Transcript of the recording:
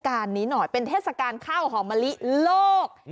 การนี้หน่อยเป็นเทศกาลข้าวหอมมะลิโลก